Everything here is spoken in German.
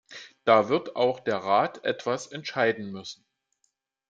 Da wird auch der Rat etwas entscheiden müssen.